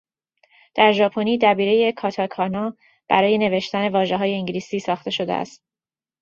در ژاپنی دبیرهٔ کاتاکانا برای نوشتن واژههای انگلیسی ساخته شده.